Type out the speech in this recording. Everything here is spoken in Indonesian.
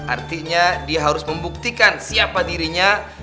artinya dia harus membuktikan siapa dirinya